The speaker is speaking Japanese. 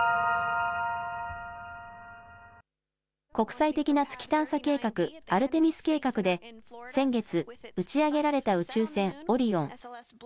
国際的な月探査計画アルテミス計画で先月、打ち上げられた宇宙船、オリオン。